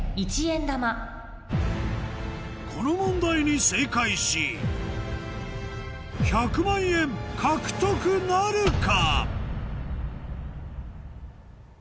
この問題に正解し１００万円獲得なるか？